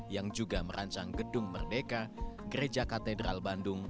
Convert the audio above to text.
yang juga merancang gedung merdeka gereja katedral bandung